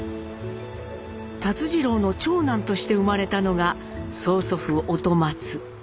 辰次郎の長男として生まれたのが曽祖父音松。